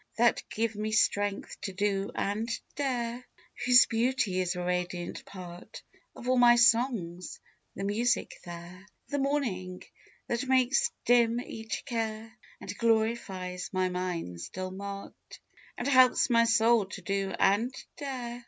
That give me strength to do and dare; Whose beauty is a radiant part Of all my songs; the music there; The morning, that makes dim each care, And glorifies my mind's dull mart, And helps my soul to do and dare.